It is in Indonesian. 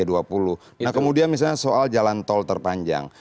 nah kemudian misalnya soal jalan tol terpanjang